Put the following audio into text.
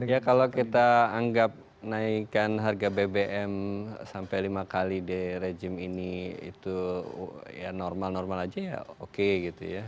ya kalau kita anggap naikkan harga bbm sampai lima kali di rejim ini itu ya normal normal aja ya oke gitu ya